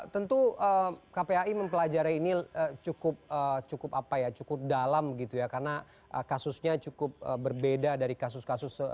tentu kpai mempelajari ini cukup cukup apa ya cukup dalam gitu ya karena kasusnya cukup berbeda dari kasus kasus